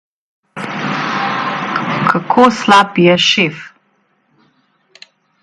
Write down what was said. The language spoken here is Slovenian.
Kako slab je šef?